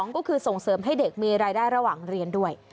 ก็คือส่งเสริมให้เด็กมีรายได้ระหว่างเรียนด้วย